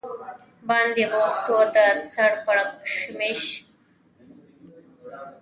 باندې بوخت و، د سر پړکمشر کوسۍ مې دوه ټوټې کړه.